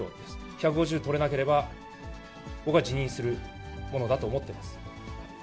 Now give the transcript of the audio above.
１５０取れなければ、僕は辞任するものだと思っています。